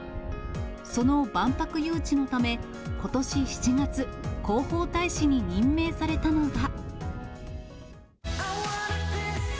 その万博誘致のため、ことし７月、広報大使に任命されたのが。